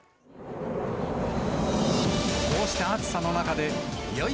こうした暑さの中で、いよい